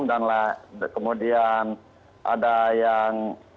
dan kemudian ada yang